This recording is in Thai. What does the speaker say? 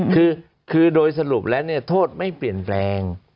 คือโดยสรุปแล้วโทษไม่เปลี่ยนแปลง